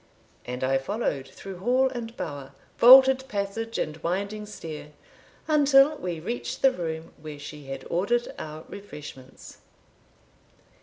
And I followed through hall and bower, vaulted passage and winding stair, until we reached the room where she had ordered our refreshments.